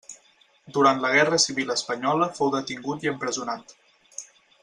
Durant la guerra civil espanyola fou detingut i empresonat.